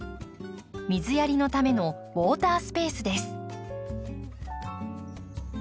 水やりのためのウォータースペースです。